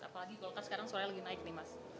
apalagi golkar sekarang suaranya lagi naik nih mas